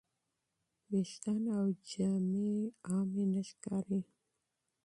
ویښتان او جامې عادي نه ښکاري.